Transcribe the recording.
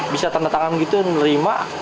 bisa tanda tangan gitu nerima